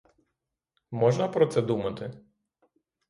Можна про це думати?